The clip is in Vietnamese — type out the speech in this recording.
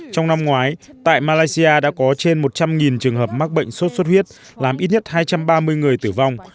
trong năm ngoái tại malaysia đã có trên một trăm linh trường hợp mắc bệnh sốt xuất huyết làm ít nhất hai trăm ba mươi người tử vong